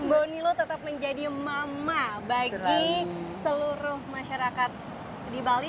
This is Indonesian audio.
bonilo tetap menjadi mama bagi seluruh masyarakat di bali